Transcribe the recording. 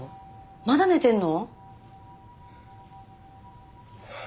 まだ寝てんの？